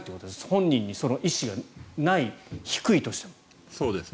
本人にその意思がない、低いとしても。